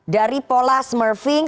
dari pola smurfing